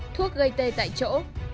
thuốc gây tê tại chỗ